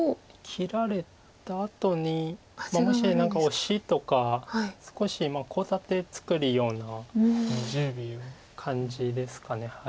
切られたあとにもし何かオシとか少しコウ立て作るような感じですか。